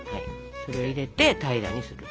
それ入れて平らにすると。